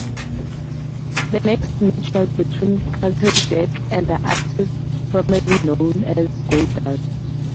The next match was between Cactus Jack and The Artist Formerly Known As Goldust.